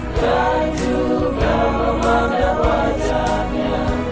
dan juga memandang wajahnya